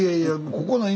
ここの犬